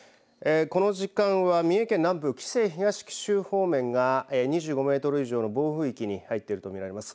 この時間は三重県南部伊勢、東紀州方面が２５メートル以上の暴風域に入っていると見られます。